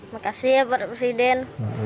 makasih ya pak presiden